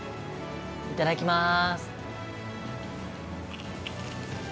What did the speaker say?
いただきます。